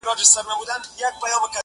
هغې بۀ ما بلاندي د خپل سر لوپټه وهله,